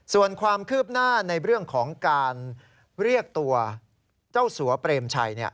ส่วนความคืบหน้าในเรื่องของการเรียกตัวเจ้าสัวเปรมชัย